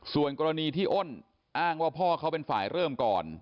ส่วนกรณีที่อ้นอ้างว่าพ่อเขาเป็นฝ่ายเริ่มก่อน